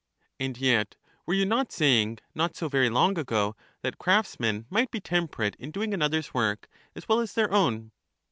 And yet were you not saying, not so very long ago, that craftsmen might be temperate in doing another's work, as well as their crwn?